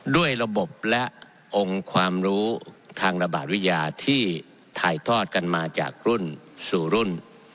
ด้วยระบบและองค์ความรู้ทางระบาดวิทยาที่ถ่ายทอดกันมาจากรุ่นสู่รุ่น